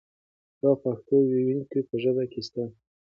دا پښتو وييکي په ژبه کې سته.